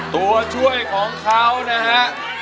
ตัวช่วยของเขานะฮะ